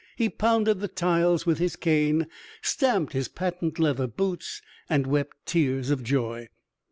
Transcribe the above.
He pounded the tiles with his cane, stamped his patent leather boots, and wept tears of joy.